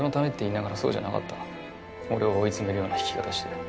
俺を追い詰めるような弾き方して。